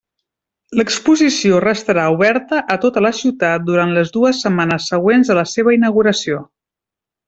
L'exposició restarà oberta a tota la ciutat durant les dues setmanes següents a la seva inauguració.